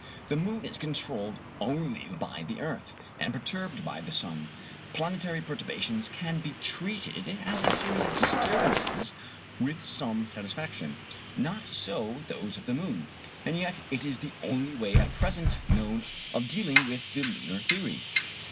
The moon is controlled only by the earth, and perturbed by the sun. Planetary perturbations can be treated as a series of disturbances with some satisfaction: not so those of the moon. And yet it is the only way at present known of dealing with the lunar theory.